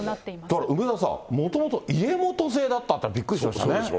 だから梅沢さん、もともと家元制だったっていうのは、びっくりしましたね。